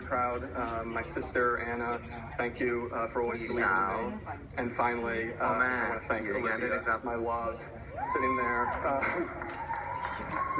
แจมิทชาเซลล์ครับ